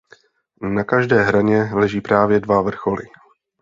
Na každé hraně leží právě dva vrcholy.